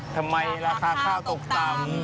ทำไมราคาข้าวตกต่ำ